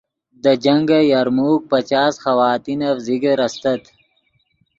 دے جنگ یرموک پچاس خواتینف ذکر استت